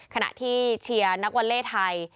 ขณะที่เชียร์นักวอลเล่ไทย